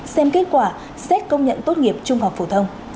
xem kết quả xét công nhận tốt nghiệp trung học phổ thông